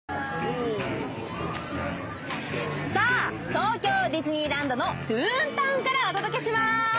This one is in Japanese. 東京ディズニーランドのトゥーンタウンからお届けします。